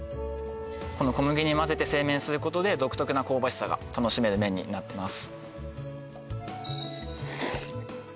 この小麦にまぜて製麺することで独特な香ばしさが楽しめる麺になってます